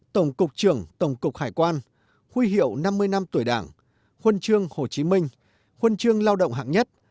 tổng cục trưởng tổng cục hải quan huy hiệu năm mươi năm tuổi đảng huân chương hồ chí minh huân chương lao động hạng nhất